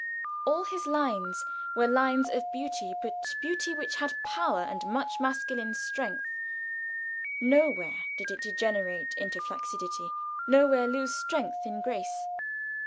All his lines were lines of beauty, but beauty which had power and much masculine strength; nowhere did it degenerate into flaccidity, nowhere lose strength in grace.